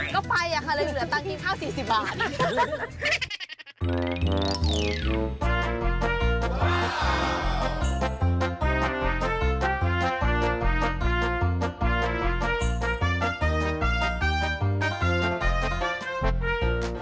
ก็ไปอะค่ะเลยเหลือตังค์กินข้าว๔๐บาท